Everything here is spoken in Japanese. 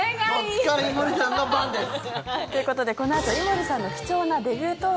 ここから井森さんの番です！